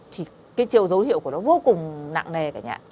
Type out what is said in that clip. thì cái chiều dấu hiệu của nó vô cùng nặng nề cả